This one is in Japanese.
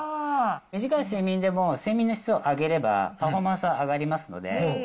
短い睡眠でも、睡眠の質を上げれば、パフォーマンスは上がりますので。